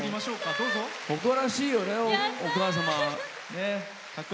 誇らしいよね、お母様。